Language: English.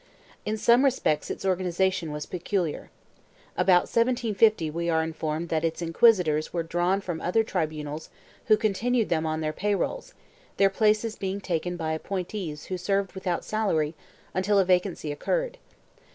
In some respects its organization was peculiar. About 1750 we are informed that its inquisitors were drawn from other tribunals who continued them on their pay rolls, their places being taken by appointees who served without salary until a vacancy occurred.